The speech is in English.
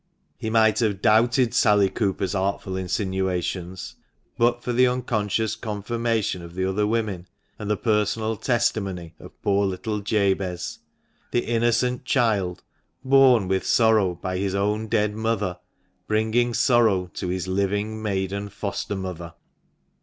He might have doubted Sally Cooper's artful insinuations, but for the unconscious con firmation of the other women, and the personal testimony of poor little Jabez; the innocent child, borne with sorrow by his own dead mother, bringing sorrow to his living maiden foster mother.